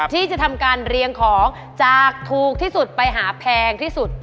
ที่จะทำการเรียงของจากถูกที่สุดไปหาแพงที่สุด